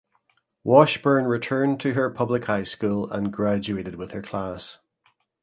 Washburn returned to her public high school and graduated with her class.